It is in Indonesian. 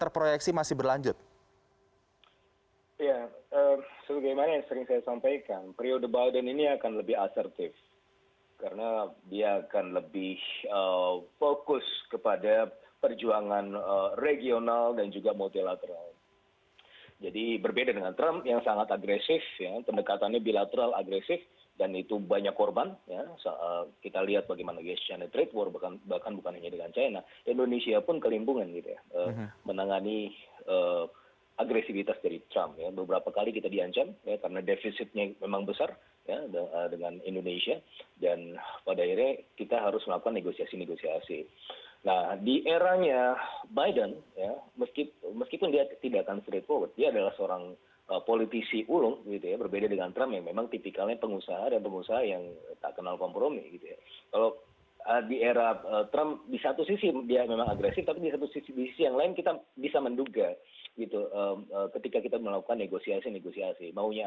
pertanyaan dari pertanyaan pertanyaan pertanyaan pertanyaan pertanyaan